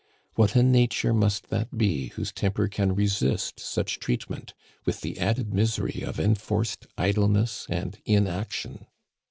What a nature must that be whose temper can resist such treatment, with the added misery of enforced idleness and inaction.